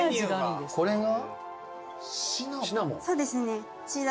でこれが？